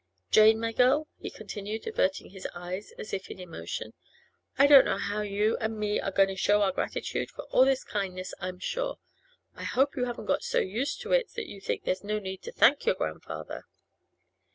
'Jane, my girl,' he continued, averting his eyes as if in emotion, 'I don't know how you and me are going to show our gratitude for all this kindness, I'm sure. I hope you haven't got so used to it that you think there's no need to thank your grandfather?